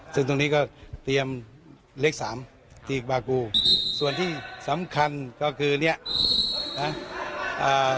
ซึ่งตรงนี้ก็เตรียมเล็กสามส่วนที่สำคัญก็คือเนี้ยอ่า